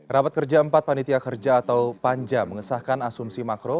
rapat kerja empat panitia kerja atau panja mengesahkan asumsi makro